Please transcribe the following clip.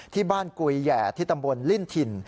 ที่บ้านกุยแห่ที่ตำบลลิ่นถิ่น